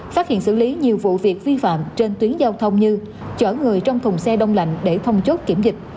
phát hiện xử lý nhiều vụ việc vi phạm trên tuyến giao thông như chở người trong thùng xe đông lạnh để thông chốt kiểm dịch